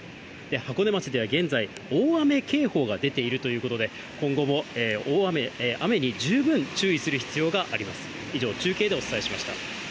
箱根町では現在、大雨警報が出ているということで、今後も大雨、雨に十分注意する必要があります。